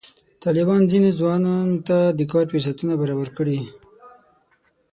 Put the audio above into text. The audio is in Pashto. طالبانو ځینو ځوانانو ته د کار فرصتونه برابر کړي.